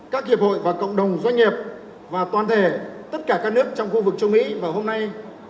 các hiệp hội và cộng đồng doanh nghiệp và toàn thể tất cả các nước trong khu vực châu mỹ vào hôm nay